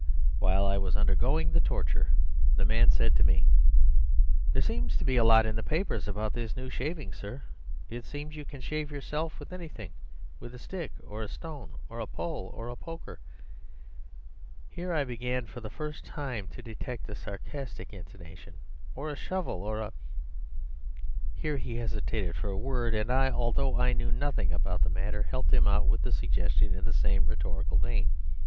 While I was undergoing the torture the man said to me: "There seems to be a lot in the papers about this new shaving, sir. It seems you can shave yourself with anything with a stick or a stone or a pole or a poker" (here I began for the first time to detect a sarcastic intonation) "or a shovel or a " Here he hesitated for a word, and I, although I knew nothing about the matter, helped him out with suggestions in the same rhetorical vein.